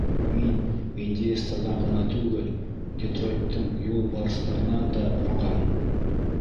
— Мин «Индеецтар»ҙан ғына түгел, Детройттың «Юлба-рыҫтар»ынан да ҡурҡам.